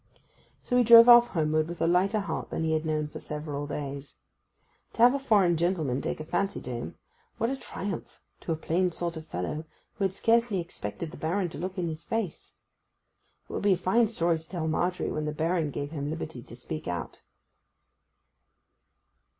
So he drove off homeward with a lighter heart than he had known for several days. To have a foreign gentleman take a fancy to him—what a triumph to a plain sort of fellow, who had scarcely expected the Baron to look in his face. It would be a fine story to tell Margery when the Baron gave him liberty to speak out.